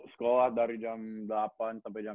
sekolah dari jam delapan sampai jam tiga